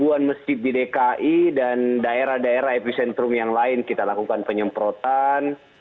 ribuan masjid di dki dan daerah daerah epicentrum yang lain kita lakukan penyemprotan